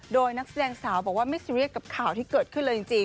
โดยนักแสดงสาวบอกว่าไม่ซีเรียสกับข่าวที่เกิดขึ้นเลยจริง